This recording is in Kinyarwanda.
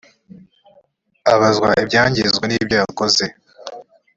abazwa ibyangijwe n ibyo yakoze